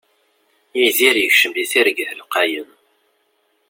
Yidir yekcem di targit lqayen.